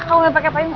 kamu pakai payung